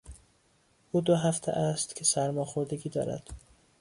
او دو هفته است که سرماخوردگی دارد.